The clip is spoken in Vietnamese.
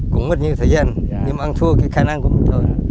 cũng mất nhiều thời gian nhưng mà ăn thua cái khả năng của mình thôi